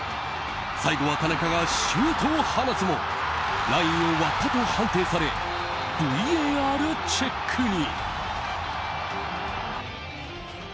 最後は田中がシュートを放つもラインを割ったと判定されＶＡＲチェックに。